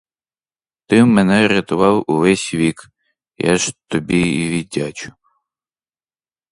Ти мене рятував увесь вік, я ж тобі і віддячу.